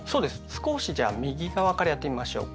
少しじゃあ右側からやってみましょうか。